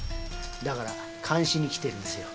だから監視に来てるんですよ。